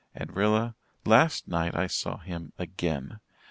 And Rilla, last night I saw him again.